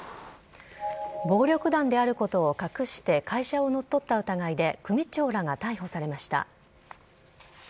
暴力団であることを隠して会社を乗っ取った疑いで、組長らが逮捕されました。